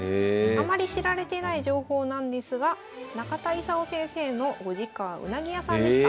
あまり知られてない情報なんですが中田功先生のご実家はうなぎ屋さんでした。